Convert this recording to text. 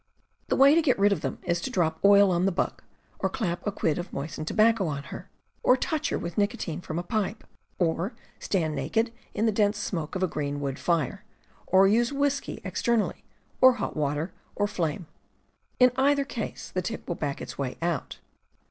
The way to get rid of them is to drop oil on the bug, or clap a quid of moistened tobacco on her, or touch her with nicotine from a pipe, or stand naked in the dense smoke of a green wood fire, or use whiskey externally, or hot water, or flame; in either case the tick will back its way out.